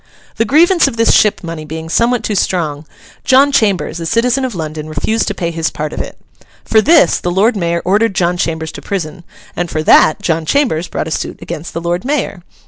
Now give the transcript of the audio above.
The grievance of this ship money being somewhat too strong, John Chambers, a citizen of London, refused to pay his part of it. For this the Lord Mayor ordered John Chambers to prison, and for that John Chambers brought a suit against the Lord Mayor.